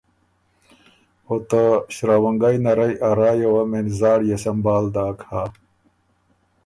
او ته شراونګئ نرئ ا رایٛ یه وه مېن زاړيې سمبهال داک هۀ۔